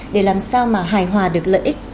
để làm sao mà hài hòa được lợi ích